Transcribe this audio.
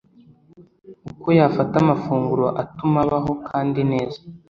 uko yafata amafunguro atuma abaho kandi neza